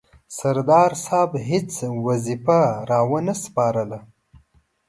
سردار صاحب هیڅ وظیفه را ونه سپارله.